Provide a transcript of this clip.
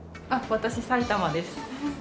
私埼玉です。